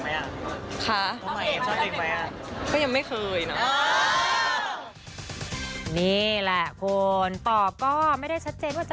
อย่าเชียร์เลยค่ะทำงานด้วยกันได้แหละค่ะ